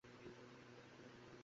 তিনি fast bowler হিসেবে খেলতেন।